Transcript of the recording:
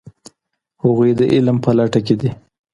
هغوی د علم په لټه کې دي.